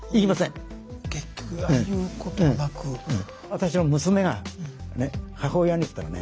私の娘が母親に言ったらね